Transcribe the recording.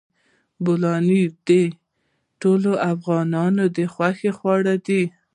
بولاني د ټولو افغانانو د خوښې خواړه دي.